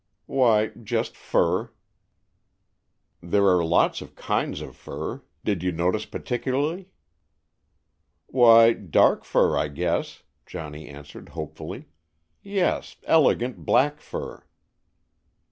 "Why, just fur." "There are lots of kinds of fur. Did you notice particularly?" "Why, dark fur, I guess," Johnny answered hopefully. "Yes, elegant black fur."